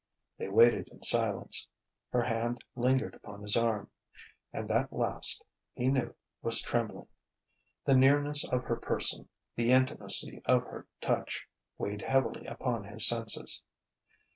They waited in silence. Her hand lingered upon his arm; and that last, he knew, was trembling. The nearness of her person, the intimacy of her touch, weighed heavily upon his senses.